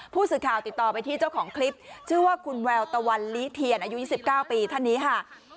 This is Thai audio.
ผู้สื่อข่าวติดต่อไปที่เจ้าของคลิปชื่อว่าคุณแววตะวันลีเทียนอายุ๒๙ปีท่านนี้ค่ะ